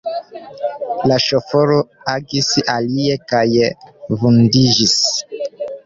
La ŝoforo agis alie, kaj vundiĝis.